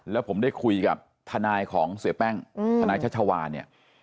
แล้วผมได้คุยกับทนายของเสียแป้งทนายชัชวาเนี่ย